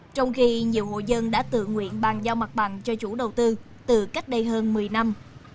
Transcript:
trong khi nhiều hộ dân đã tự nguyện bàn giao mặt bằng cho chủ đầu tư từ cách đây hơn một mươi năm